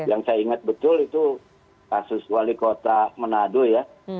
yang saya ingat betul itu kasus wali kota manado ya